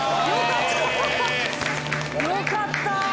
よかった！